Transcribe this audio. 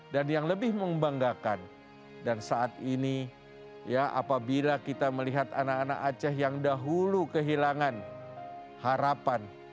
dan yang lebih membanggakan dan saat ini apabila kita melihat anak anak aceh yang dahulu kehilangan harapan